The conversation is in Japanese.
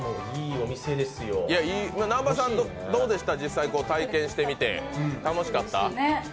南波さん、どうでした、実際に体験して、楽しかった？